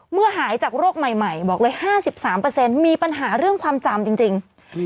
หายจากโรคใหม่บอกเลย๕๓มีปัญหาเรื่องความจำจริง